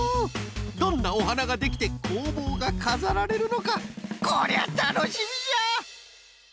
どんなおはなができてこうぼうがかざられるのかこりゃたのしみじゃ！